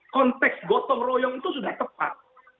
konteks gotong royong itu sudah tepat